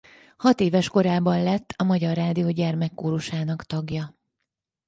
Hatéves korában lett a Magyar Rádió Gyermekkórusának tagja.